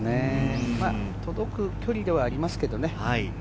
届く距離ではありますけどね。